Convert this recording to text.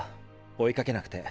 追いかけなくて。